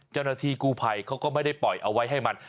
เจ้าหน้าที่กู้ภัยเขาก็ไม่ได้ปล่อยเอาไว้ให้มัน